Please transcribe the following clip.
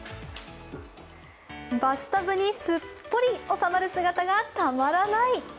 バスタブですっぽり収まる姿がたまらない。